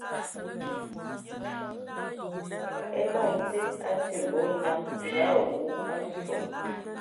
E man tsid a atimbi a olam nga awū a nsom.